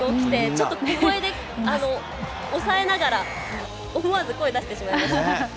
ちょっと小声で抑えながら、思わず声出してしまいました。